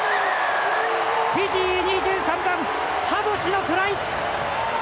フィジー、２３番ハボシのトライ！